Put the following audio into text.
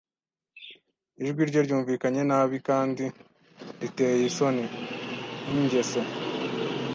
ijwi rye ryumvikanye nabi kandi riteye isoni, nk'ingese